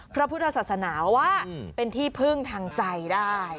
พระพุทธศาสนาว่าเป็นที่พึ่งทางใจได้